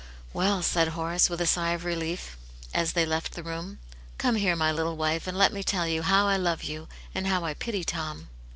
" Well," said Horace, with a sigh of relief, as they left the room. " Come here, my little wife, and let me tell you how I love you, and how I pity Tom."